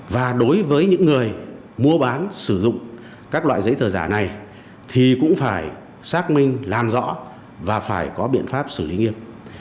và đối với những người mua bán sử dụng các loại giấy tờ giả này thì cũng phải xác minh làm rõ và phải có biện pháp xử lý nghiêm